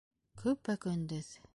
Көпә-көндөҙ!..